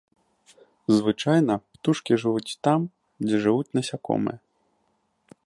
Звычайна птушкі жывуць там, дзе жывуць насякомыя.